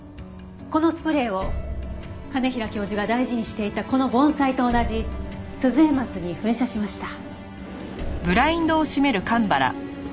このスプレーを兼平教授が大事にしていたこの盆栽と同じスズエマツに噴射しました。